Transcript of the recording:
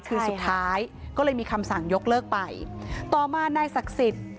คือสุดท้ายก็เลยมีคำสั่งยกเลิกไปต่อมานายศักดิ์สิทธิ์